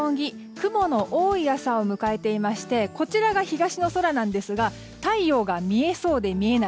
雲の多い朝を迎えていましてこちらが東の空なんですが太陽が見えそうで見えない